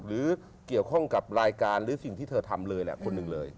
หรือเกี่ยวข้องกับรายการหรือสิ่งที่เธอทำเลยแหละคนหนึ่งเลย